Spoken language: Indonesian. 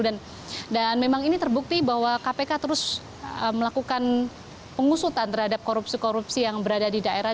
memang ini terbukti bahwa kpk terus melakukan pengusutan terhadap korupsi korupsi yang berada di daerah